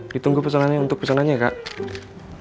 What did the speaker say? ditunggu pesenannya untuk pesenannya kak